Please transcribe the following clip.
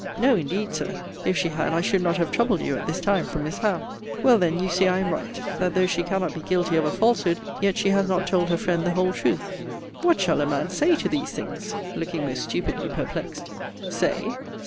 No, indeed, Sir. If she had I should not have troubled you at this time from Miss Howe. Well then, you see I am right: that though she cannot be guilty of a falsehood, yet she has not told her friend the whole truth. What shall a man say to these things! (looking most stupidly perplexed.) Say!